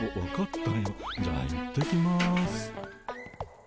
じゃあ行ってきます。